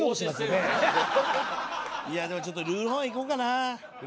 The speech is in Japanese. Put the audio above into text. いやでもちょっとルーロー飯いこうかな。